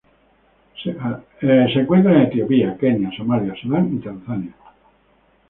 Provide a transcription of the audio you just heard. Se encuentra en Etiopía, Kenia, Somalia, Sudán y Tanzania.